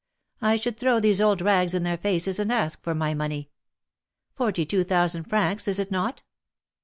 I should throw these old rags in their faces and ask for my money. Forty two thousand francs, is it not?